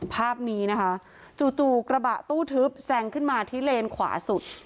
ภาพนี้นะคะจู่กระบะตู้ทึบแซงขึ้นมาที่เลนขวาสุด